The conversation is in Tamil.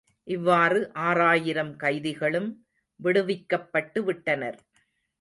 இவ்வாறு ஆறாயிரம் கைதிகளும் விடுவிக்கப்பட்டு விட்டனர்.